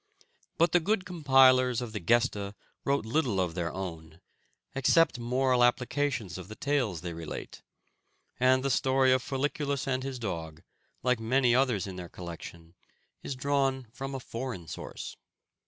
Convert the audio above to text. But the good compilers of the "Gesta" wrote little of their own, except moral applications of the tales they relate, and the story of Folliculus and his dog, like many others in their collection, is drawn from a foreign source.